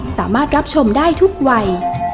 สามารถรับชมได้ทุกวัย